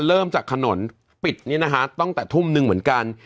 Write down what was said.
เริ่มจากถนนปิดนี้นะคะตั้งแต่ทุ่มหนึ่งเหมือนกัน